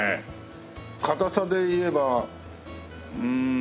かたさでいえばうん。